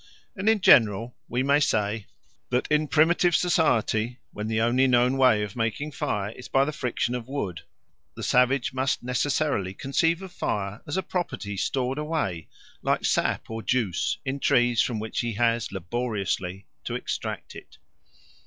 And in general we may say that in primitive society, when the only known way of making fire is by the friction of wood, the savage must necessarily conceive of fire as a property stored away, like sap or juice, in trees, from which he has laboriously to extract it.